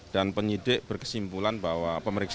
dan penyidik berkesimpulan bahwa